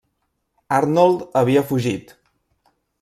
Arnold havia fugit.